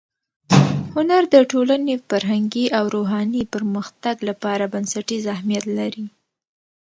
هنر د ټولنې فرهنګي او روحاني پرمختګ لپاره بنسټیز اهمیت لري.